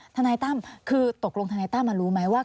ทนายตั้มคือตกลงทนายตั้มรู้ไหมว่า